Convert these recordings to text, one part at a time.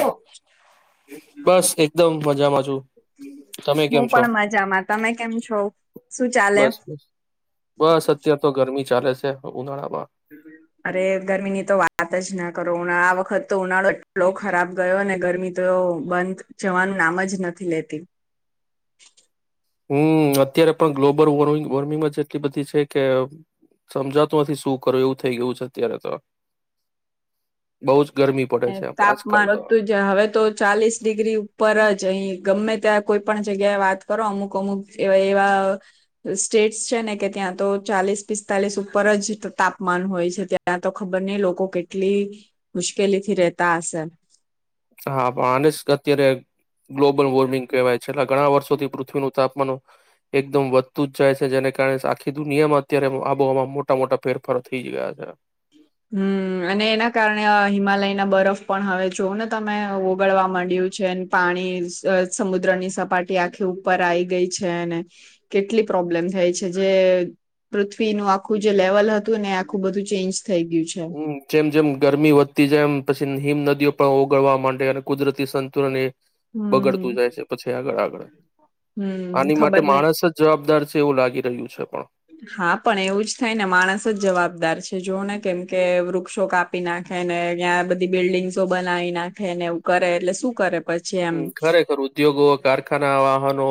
હું બસ એકદમ મજામાં છું, તમે કેમ છો પણ મજામાં તમે કેમ છો શું ચાલે બસ બસ અત્યાર તો ગરમી ચાલે છે ઉનાળા અરે ગરમીની તો વાત લો ખરાબ ગયો અને ગરમી તો બંધ જવાનું નામ જ નથી લેતી હમ અત્યારે પણ ગ્લોબલ વોમિંગ વોર્મિંગ જ એટલી બધી છે કે સમજાતું નથી શું કરું એવું થઈ ગયું છે, અત્યારે તો બઉ જ ગરમી પડે છે આપ- આજકાલ તાપમાન તો હતતુંજ, હવે તો ચાલીસ ડિગ્રી ઉપરજ, અહી ગમે ત્યાં કોઈ પણ જગ્યાએ વાત કરો અમુક અમુક એવા એવા સ્ટેટ્ છે ને, કે ત્યાં તો ચાલીસ પિસ્તાલીસ ઉપરજ તાપમાન હોય છે, ત્યાં તો ખબર નઈ લોકો કેટલી મુશ્કે કેલીથી રેહતા હશે. હા, પણ [unintelligible] અત્યારે ગ્લોબલ વોર્મિંગ કેહેવાય, છેલ્લા ઘણા વર્ષોથી પૃથવીનું તાપમાનું એકદમ વધતુંજ જાય છે, જેને કારણે આખી દુનિયામાં અત્યારે આબોહવામાં મોટા મોટા ફેરફારો થઈ ગયા છે. હમ્મ અને એના કારણે હિમાલયના બરફ પણ હવે જોવ ને તમે ઓગળવા માંડ્યું છે, પાણી સમુદ્રની સપાટી આખી ઉપર આઈ ગઈ છે ને કેટલી પ્રોબ્લેમ થઈ છે, જે પૃથ્વીનું આખું જે લેવલ હતું ને આખું બધું ચેન્જ થઈ ગયું છે હમ્મ, જેમ જેમ ગરમી વધતી જેમ પછી હિમ નદીઓ પણ ઓગળવા માંડે અને કુદરતી સંતુલન એ હમ બગડતું જાય છે, પછી આગળ આગળ. હમ આની માટે ખબર નઈ માણસજ જવાબદાર છે. તેવું લાગી રહ્યું છે, પણ હા, પણ એવુંજ થાય ને માણસ જ જવાબદાર છે જોવ ને, કેમકે વૃક્ષો કાપી નાખે ને ત્યાં બધી બિલ્ડિંગ્સો બનાવી નાખે ને એવું કરે એટલે શું કરે પછી હમ્મ, એમ ખરેખર ઉદ્યોગો કારખાના, વાહનો,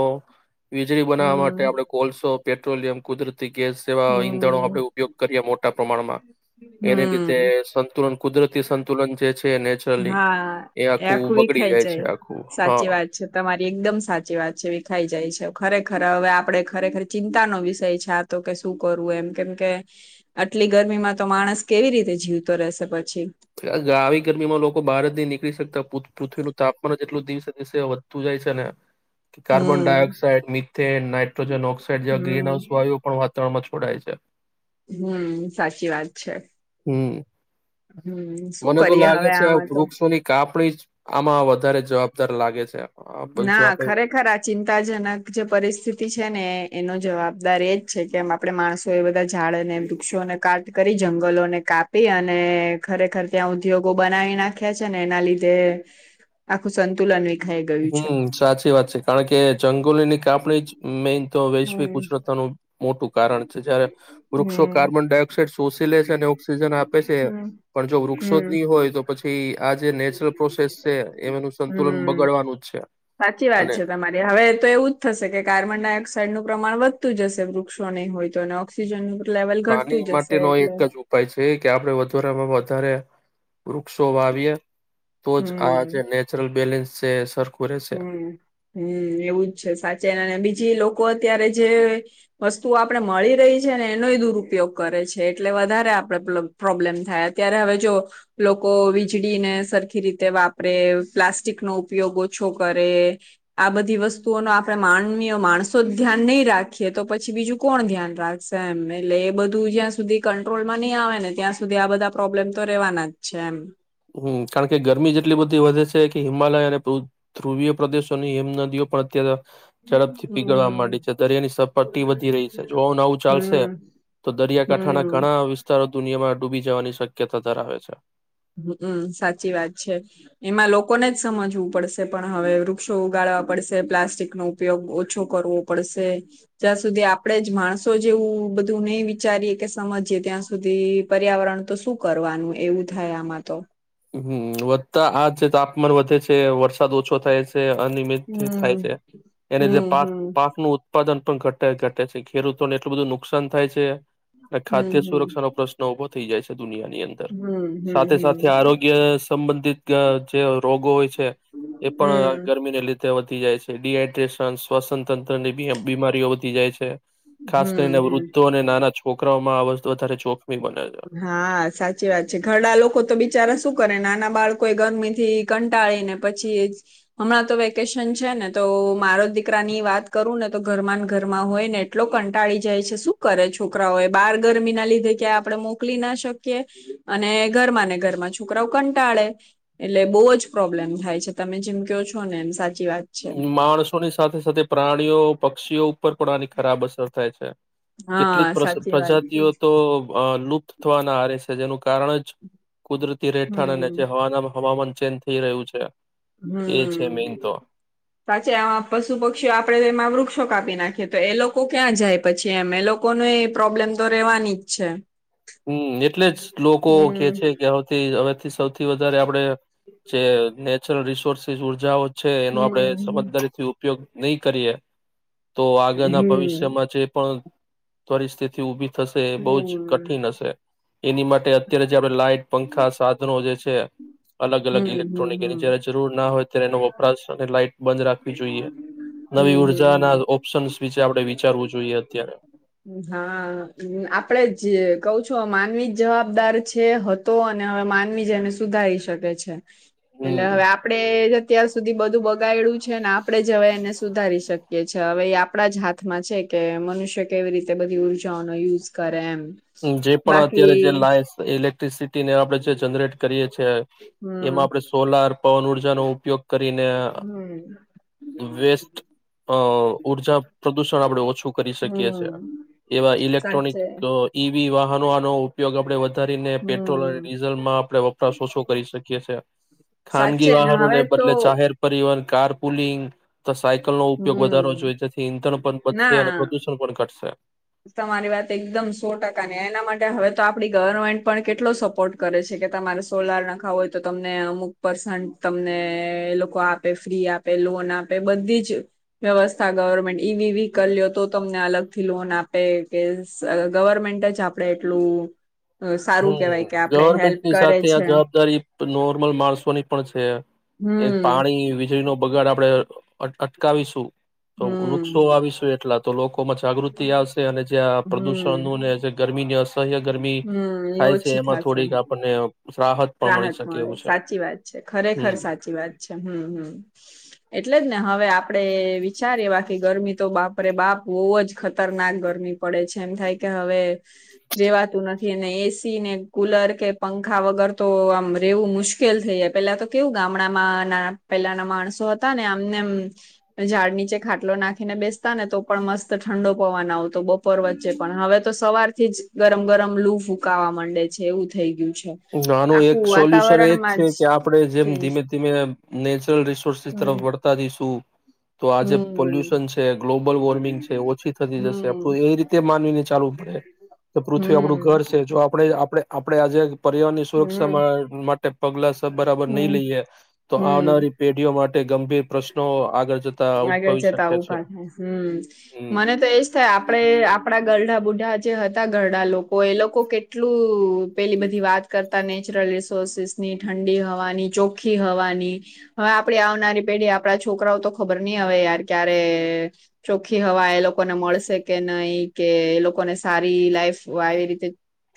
વીજળી બનાવવા માટે હમ આપડે કોલસો પેટ્રોલિયમ કુદરતી ગેસ જેવા ઈંધણો હમ આપણે ઉપયોગ કરીએ મોટા પ્રમાણમાં, એને લીધે હમ સંતુલન કુદરતી સંતુલન જે છેને લી એ આખું બગડી જાય છે અ સાચી વાત છે તમારી એકદમ સાચી વાત છે વિખાઈ જાય છે ખરે ખર. હવે આપડે ખરેખર ચિંતાનો વિષય છે આ તો કે શું કરવું એમ કેમ કે આટલી ગરમીમાં તો માણસ કેવી રીતે જીવતો રહેશે પછી. આવી ગરમીમાં લોકો બહાર જ નહી નીકળી શકતા પુથ પૃથ્વીનું તાપમાન જેટલું દિવસે દિવસે વધતું જાય છે ને કે કાર્બન હમ ડાયોક્સાઇડ, મિથેન, નાઇટ્રોજન- ઓક્સાઇડ જેવા ગ્રીન હમ હાઉસ વાયું પણ વાતાવરણમાં ફડાય છે હમ સાચી વાત છે. હમ. હમ શું મને તો કરીએ લાગે હવે છે આ આમાં તો વૃક્ષોની કાપડી જ આમાં વધારે જવાબદાર લાગે છે. આ બ- જો ના આપણે ખરેખર આ ચિંતાજનક જે પરિસ્થિતિ છે ને એનો જવાબદાર એ જ છે કેમ આપડે માણસો એ બધા‌ ઝાડને વૃક્ષોને કાટ કરી જંગલોને કાપી અને ખરેખર ત્યાં ઉદ્યોગો બનાવી નાખ્યા છેને એના લીધે આખું સંતુલન વિખાઈ ગયું. છે. હમ સાચી વાત છે કારણ કે જંગોલીની કાપણી જ મેન તો વૈશ્વિક હમ કુદરતતાનું મોટું કારણ છે. જયારે વૃક્ષો હમ કાર્બન ડાયોક્સાઇડ શોષી લે છેઅને ઓક્સિજન આપે છે હમ પણ જો વૃક્ષો જ નહી હોય હમ તો પછી આજ નેચરલ પ્રોસેસ છે એમનું સંતુલન બગ હમ સાચી વાત છે તમારી હવે તો એવું જ થશે કે કાર્બન ડાયોક્સાઇડ નું પ્રમાણ વધ તું જશે વૃક્ષો નહી હોય તો અને ઓક્સિજન ન પાણી માટેનો એક જ ઉપાય છે કે આપડે અધુરામાં વધારે વુક્ષો વાવીએ. તો જ આ છે નેચરલ બેલેન્સ સરકાર [inaudible] હું હું એવું જ છે સાચે અને બીજી લોકો અત્યારે જે વસ્તુ આપણે મળી રહી છે ને એનોય દુરુપયોગ કરે છે એટલે વધારે આપડે પ્રોબ્લેમ થાય અત્યારે હવે જો લોકો વીજળી ને સરખી રીતે વાપરે પ્લાસ્ટિક નો ઉપયોગ ઓછો કરે આ બધી વસ્તુઓ ન આપણે માનવીય માણસો જ ધ્યાન નહી રાખીએ તો પછી બીજું કોણ ધ્યાન રાખશે એમ એટલે એ બધું જ્યાં સુધી કંટ્રોલમાં નહી આવે ને ત્યાં સુધી આ બધા પ્રોબ્લેમ તો રેવાના જ છે એમ હું કારણ કે ગરમી જેટલી બધી વધે છે કે હિમાલય અને ધ્રુવીય પ્રદેશોની હિમ નદીઓ પણ અત્યારે ઝડપથી પીગળવા માંડી હમ છે દરિયાની સપાટી વધી રહી છે જો નવું ચાલશે હમ તો દરિયાકાંઠાના હમ ઘણા વિસ્તારો દુનિયામાં ડૂબી જવાની શક્યતા ધરાવે છે હું સાચી વાત છે એમાં લોકો ને જ સમજવું પડશે પણ હવે વૃક્ષો ઉગાડવા પડશે પ્લાસ્ટિક નો ઉપયોગ ઓછો કરવો પડશે. જ્યાં સુધી આપણેે જ માણસો જેવું બધું નહી વિચારીએ કે સમજીએ ત્યાં સુધી પર્યાવરણ તો શું કરવાનું એવું થયા આમાં તો હમ વધતા આજ તાપમાન વધે છે, વરસાદ ઓછો થાય છે. અનિમિત થાય હમમ. છે અને હમમ પાક હમમ પાક નું ઉત્પાદન પણ ઘટ ઘટે છે ખેડૂતોને એટલું બધું નુકસાન થાય છે હમમ ખાદ્ય સુરક્ષા નો પ્રશ્ન ઉભો થઈ જાય છે દુનિયાની અંદર હમમ હમમ સાથે સાથે હમમ. આરોગ્ય સંબંધિત જે રોગો હોય છે એ હમમ પણ ગરમીને લીધે વધી જાય છે ડિહાઇડ્રેશન સ્વસંત તંત્ર ની ભી બીમારીઓ વધી જાય છે. ખાસ હમમ કરીને હમમ. વૃદ્ધો અને નાના છોકરા વામાં આવસ તો તારે જોબ હા સાચી વાત છે, ઘરડા લોકો તો બિચારા શું કરે નાના બાળકો એ ગરમી થી કંટાળીને પછી હમણાં તો વેકેશન છે ને તો મારો દીકરા ની વાત કરું ને તો ઘરમાં ઘરમાં હોય ને એટલો કંટાળી જાય છે શું કરે છોકરાઓ એ બાર ગરમી ના લીધે ક્યાં આપણે મોકલી ના શકીએ અને ઘરમાં ને ઘરમાં છોકરાઓ કંટાળે એટલે બહુ જ પ્રોબ્લેમ થાય છે તમે જેમ કયો છો ને એમ સાચે માણસોની સાથે-સાથે પ્રાણીઓ, પક્ષીઓ, ઉપર પણ આની ખરાબ અસર થાય છે. કેટલીક હા સાચી વાત છે પ્રજાતિઓ તો અ લુપ્ત થવાના આરે છે. કે જેનું કારણ જ કુદરતી રહેેઠાણ હમ અને જે હવા હવામાન ચેન્જ થઈ રહ્યું છે. એ છે મેન હમ તો. સાચે આ પશુ પક્ષીઓ આપડે એમાં વૃક્ષો કાપી નાખીએ તો એ લોકો ક્યાં જાય પછી એમ એ લોકોને એ પ્રોબ્લેમ તો રેવાની જ છે. હમ એટલે જ લોકો કે હમ્મ. છે કે હથી હવેથી સૌ થી વધારે આપડે જે ને ચાલો રિસોર્સીંસ ઉર્જાઓ છે એનો આપડે હમ્મ સમજદારી થી ઉપયોગ નહી કરીએ. તો આગળના હમ્મ. ભવિષ્યમાં જે પણ પરિસ્થિતિ ઉભી થ થશે બઉ હમ્મ જ ક કઠિન હશે. એની માટે અત્યારે જે આપડે લાઈટ, પંખા, સાધનો જે છે તે અલગ-અલગ હમ્મ ઇલેક્ટ્રોનિક એની હમ્મ જયારે જરૂર ના હોય ત્યારે એનો વપરાશ અને લાઈટ બંધ રાખવી જોઈએ. નવી હમ્મ હમ્મ ઉર્જા ના હમ્મ. ઓપ્શનસ વિશે આપણે વિચારવું જોઈએ અત્યારે. જે કવ છું માનવી જ જવાબદાર છે, હતો અને હવે માનવી જ એને સુધારી શકે છે. અચ્છા. એટલે હવે હમ આપડે જે અત્યાર સુધી બધું બગાયડું છે ને આપણેે જ હવે એને સુધારી શકીએ છે હવે એ આપણા જ હાથમાં છે કે મનુષ્ય કેવી રીતે બધી ઉર્જાઓનો યુઝ કરે એમ. જે પણ બાકી અત્યારે જે લાઈવ ઇલેક્ટ્રિસિટી ને આપડે જે જનરેટ કરીએ છીએ. હમ એમાં આપણે સોલાર પવન ઉર્જાનો ઉપયોગ કરીને હમ વેસ્ટ અ ઉર્જા પ્રદુષણ પણ આપણે ઓછું કરી શકીએ હમ છીએ એવા ઇલેક્ટ્રોનિક સાચે વાહનોનો ઉપયોગ આપણે વધુ કરીને પેટ્રોલ હમ અને ડીઝલમાં આપણે વપરાશ ઓછો કરી શકીએ છીએ. સાચે ખાનગી ને હવે વાહનોને તો બદલે જાહેર પરિવહન કાર પુલિંગ તો સાયકલ નો હમ ઉપયોગ વધારવો જોઈએ જેથી ઈંધણ પણ ના વધશે અને પ્રદુષણ પણ ઘટશે. તમારી વાત એકદમ સો ટકા ને એના માટે હવે તો આપ આપણી ગવર્મેન્ટ પણ કેટલો સપોર્ટ કરે છે. કે તમારે સોલાર નખાવુ હોય તો તમને અમુક પર્સન્ટ તમને એ લોકો આપે ફ્રી આપે લોન આપે બધી જ વ્યવસ્થા ગવર્મેન્ટ ઈવીવી કરીયે તો તમને અલગથી લોન આપ આપે કે ગવર્મેન્ટ આપણે એટલું સારું કેહેવાય કે હમ આપડે હેલ્પ ગવર્મેન્ટની કરે સાથે આ છે. જવાબદારી નોર્મલ માણસોની પણ છે. એ હમ્મ પાણી વીજળી ન બગાડ આપણે અટકાવીશું. તો વૃક્ષો હમ્મ વાવીશું એટલા તો લોકોમાં જાગૃતિ આવશે અને જ્યાં પ્રદુષણ હમ્મ નુ ને જે વ્યસ્ત અયા ગરમી હમ્મ એ થાય છે. ઓછી એમાં થોડીક થાશે. આપણને પણ મળી રાહત શકે મળે એવું છે સાચી વાત છે. ખરેખર હમ સાચી વાત છે. હમ્મ હમ્મ એટલે જ ને હવે આપણે વિચારવા કે ગરમી તો બાપરે બાપ બહુ જ ખતરનાક ગરમી પડે છે. એમ થાય કે હવે રેવાતું નથી અને એસી ને કુલર કે પંખા વગર તો આમ રેવું મુશ્કેલ થઈ જાય પેલા તો કેવું ગામડામાં ના પેલાના માણસો હતા ને આમનેમ ઝાડ નીચે ખાટલો નાખીને બેસતા ને તો પણ મસ્ત ઠંડો પવાના આવ. તો બપોર વચ્ચે પણ હવે તો સવારથી જ ગરમ ગરમ લૂ ફૂકાવા માંડે. છે એવું થઈ ગયું છે. આનું આખું એક સોલ્યુશન એજ વાતાવરણમાં છે જ કે આપણેે જેમ ચેન્જ ધીમે ધીમે નેચરલ રિસોર્સસ હમ તરફ વર્તા થઈશું. તો આજે હમ પોલ્યુશન છે, ગ્લોબલ વોર્મિંગ છે, ઓછી થતી જશે હમ આપણે એ રીતે માનનીને ચાલુ પડે કે પૃથ્વી આપણુ ઘર છે. હમ જો આપણેે આપણે આપણે આજે પરિવાર ની સુરક્ષા હમ મ માટે પગલા બરાબર હમ નહી લઈએ તો હમ આવનારી પેઢીઓ માટે ગંભીર પ્રશ્નો આગળ જતા આગળ ઉદભવી જતા શકે આવુ છે પણ થાય. હમ. મને તો એજ થાય આપણે આપણા ધરના બુઢા જે હતા ઘડ ઘરડા લોકો એ લોકો કેટલું પેલી બધી વાત કરતા નેચરલ. ની ઠંડી હવાની ચોખ્ખી હવાની હવે આપણે આવનારી પેઢી. આપણા છોકરાઓ તો ખબર નહી હવે યાર ક્યારે ચોખ્ખી હવા એ લોકોને મળશે કે નહી કે એ લોકોને સારી લાઈફ આવી રીતે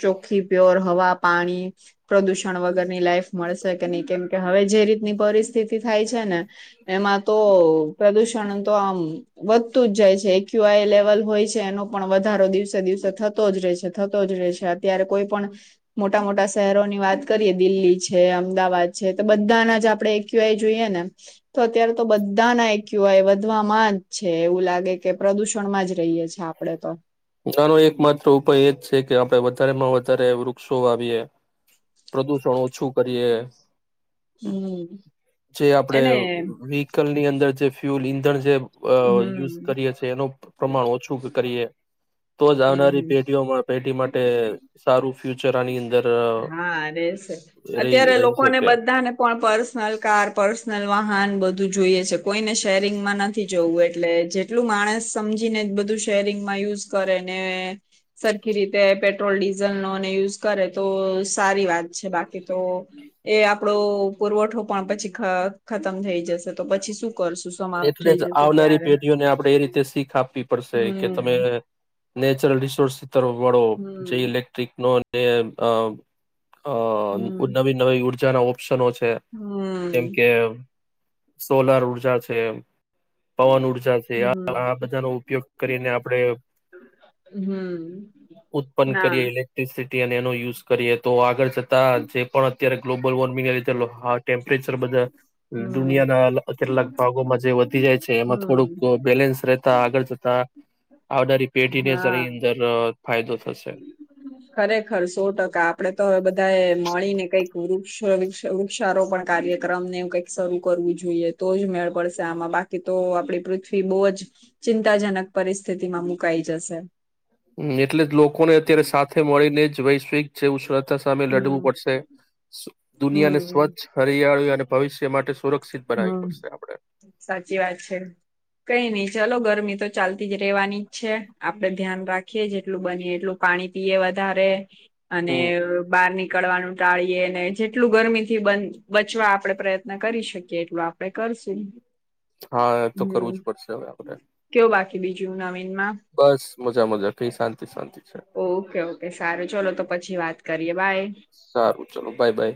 ચોખ્ખી પ્યોર હવા પાણી પ્રદૂષણ વગરની લાઈફ મળશે કે નહી કેમ કે હવે જે રીતની પરિસ સ્થિતિ થાય છે ને એમાં તો પ્રદુષણ તો આમ વધતું જ જાય છે. ક્યુઆઈ લેવલ હોય છે એનો પણ વધારો દિવસે દિવસે થતો જ રહે છે થતો જ રહે છે અત્યારે કોઈ પણ મોટા મોટા શહેરોની વાત કરીએ દિલ્હી છે અમદાવાદ છે તો બધાના જ આપડણે એક્યુઆઈ જોઈએ ને તો અત્યારે તો બધાના એક ક્યુઆય વધવામાં જ છે એવું લાગે કે પ્રદુષણમાં જ રહીયએ છેએ આપડે તો. આપ વધારે માં વધારે વૃક્ષો આવીએ પ્રદુષણ ઓછું કરીએ. હમ જે આપડે એને વેહિકલ ની અંદર જે ફ્યૂલ ઈંધણ જે અ હમ યુઝ હમ કરીએ છીએ એનું પ્રમાણ ઓછું કરીએ તો જ આવનારી હમ પેઢીઓમાં પેઢી માટે સારું. ફ્યુચર આની અંદર હા એ છે. રહી અત્યારે રહી લોકોને શકે બધાને પણ પર્સનલ કાર પર્સનલ વા મકાન બધું જોઈય છે કોઈને શેરિંગમાં નથી જોવું એટલે જેટલું માણસ સમજીને બધું શેરિંગમાં યુઝ કરે ને સરખી રીતે પેટ્રોલ ડીઝલ નોને યુઝ કરે. તો સારી વાત છે બાકી તો એ આપડો પુરવઠો પણ પછી ખતમ થઈ જશે તો પછી શું કરશું સમાપ્ત એટલે થઈ જ જશે આવનારી ત્યારે પેઢીઓને આપડે એ રીતે શીખ આપવી કે તમે હમ નેચરલ [inaudible] તરફ વળો જે હમ ઇલેક્ટ્રિક નોન એ અ અ હમ નવી નવી ઉડ વધારે ઓપ્શન છે. જેમ હમ કે સોલર ઉર્જા છે. તે પવન ઉર્જા છે. આ હમ આ બધાનો ઉપયોગ કરીને આપણે હમ ઉત્પન્ન કરીએ ના ઇલેક્ટ્રિસિટ અને એનો યુઝ કરીએ તો આગ તા છે પણ અત્યારે ગ્લોબલ વોર્મિંગ [unintelligible] ટેમ્પરેચર બધા હમ દુનિયા ના કેટલાક માં જે [unintelligible] જાય છે એમાં થોડુંક હમ બેલેન્સ રહેતા આગળ જતા આવનારી પેઢી ને હા [unintelligible] ફાયદો થશે. ખરેખર સો ટકા આપડે તો બધા એ મળી ને કઈક વૃક્ષ વૃક્ષારોપણ કાર્યક્રમને કઈક શરૂ કરવું જોઈએ તો જ મેળ પડશે આમાં બાકી તો આપણી પૃથ્વી બહુ જ ચિંતાજનક પરિસ્થિતિમાં મુકાઈ જશે. હ એટલે જ લોકોને અત્યારે સાથે મળીને જ વૈશ્વિક જે ઉરાત સામે લડવું હમ પડશે. દુનિયાને હમ સ્વચ્છ, હરિયાળી અને ભવિષ્ હમ. સાચી વાત છે. કઈ નઈ ચલો ગરમી તો ચાલતી જ રહેેવાની જ છે. આપડે ધ્યાન રાખીએ જેટલું બનીએ એટલું પાણી પીએ વધારે અને હમ બારની નીકળવાનું ટાળીએ ને જેટલું ગરમી થી બ બચવા આપડે પ્રયત્ન કરી શકીએ એટલું આપડે કરશું. હા તો કરવું હમ. જ પડશે હવે આપડે કયો બાકી બીજું નવીનમાં? બસ મજા મજા કઈ શાંતિ શાંતિ છે ઓકે ઓકે સારું ચલો તો પછી વાત કરીએ બાય. સારું ચલો બાય બાય